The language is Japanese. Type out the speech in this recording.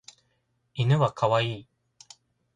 犬はかわいい